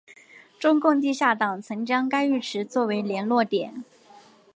中共地下党曾将该浴池作为联络点。